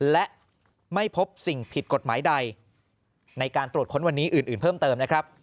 และไม่พบสิ่งผิดกฎหมายใดในการตรวจค้นวันนี้อื่นเพิ่มเติมนะครับ